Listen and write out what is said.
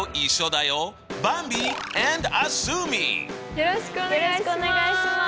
よろしくお願いします。